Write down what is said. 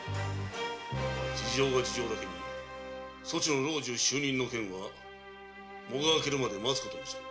事情が事情だけにそちの老中就任の件は喪があけるまで待つことにする。